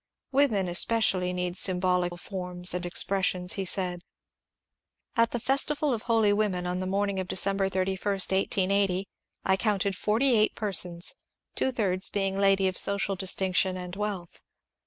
" Women especially need symbolical forms and expressions," he said. At the "Festival of Holy Women," on the morning of December 31, 1880, I counted forty eight persons, two thirds being ladies of social distinction and wealth.